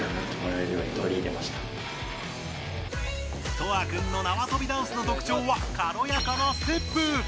とあくんのなわとびダンスの特徴は軽やかなステップ。